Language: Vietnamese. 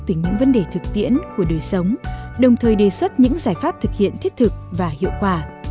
từ những vấn đề thực tiễn của đời sống đồng thời đề xuất những giải pháp thực hiện thiết thực và hiệu quả